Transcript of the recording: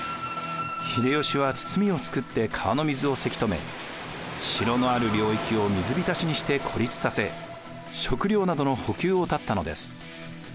秀吉は堤を作って川の水をせき止め城のある領域を水浸しにして孤立させ食料などの補給を断ったのです。